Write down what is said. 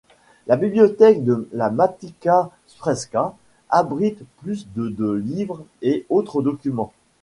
La bibliothèque de la Matica srpska abrite plus de de livres et autres documents.